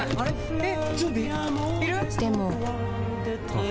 えっ！